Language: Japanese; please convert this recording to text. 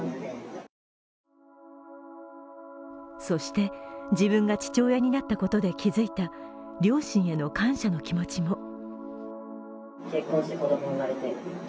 そして自分が父親になったことで気づいた両親への感謝の気持ちも。